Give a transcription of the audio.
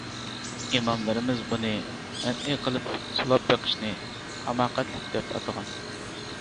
ئىماملىرىمىز بۇنى مەنئى قىلىپ سولاپ بېقىشنى ھاماقەتلىك دەپ ئاتىغان.